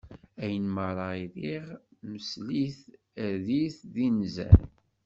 Ayen merra i riɣ msel-it err-it d inzan.